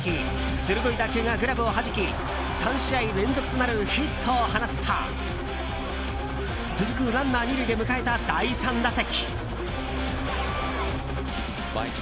鋭い打球がグラブをはじき３試合連続となるヒットを放つと続く、ランナー２塁で迎えた第３打席。